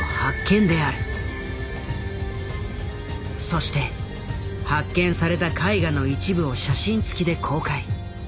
そして発見された絵画の一部を写真つきで公開。